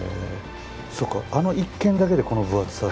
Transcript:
そうかあの一件だけでこの分厚さ。